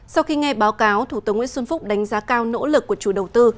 sau khi nghe báo cáo thủ tướng nguyễn xuân phúc đánh giá cao nỗ lực của chủ đầu tư